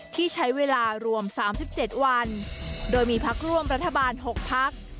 ที่ใช้เวลารวม๓๗วันโดยมีพักร่วมรัฐบาล๖พัก